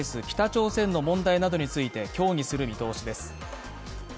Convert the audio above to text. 北朝鮮の問題などについて協議する見通しです。